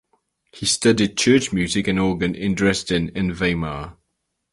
He studied church music and organ in Dresden and Weimar.